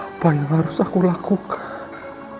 apa yang harus aku lakukan